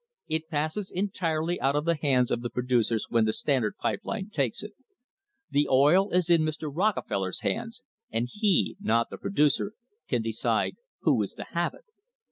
It passes entirely out of the hands of the producers when the Standard pipe line takes it. The oil is in Mr. Rockefeller's hands, and he, not the producer, can decide who is to have it.